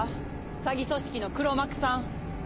詐欺組織の黒幕さん。